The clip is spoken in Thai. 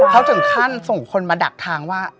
เขาถึงขั้นส่งคนมาดักทางว่า